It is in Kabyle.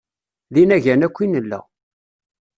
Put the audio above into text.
D inagan akk i nella.